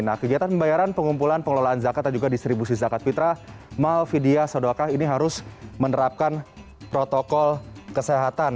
nah kegiatan pembayaran pengumpulan pengelolaan zakat dan juga distribusi zakat fitrah malfidia sodoakah ini harus menerapkan protokol kesehatan